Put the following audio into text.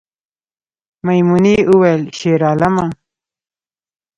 میمونۍ وویل شیرعالمه